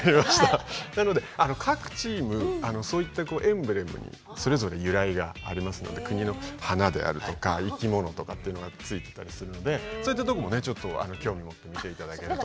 なので各チームそういったエンブレムにそれぞれ由来がありますので国の花であるとか生き物とかっていうのがついてたりするのでそういったとこもねちょっと興味持って見ていただけると。